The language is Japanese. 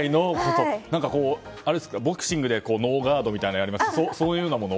何かボクシングでノーガードみたいなのをやりますけどそういうようなもの？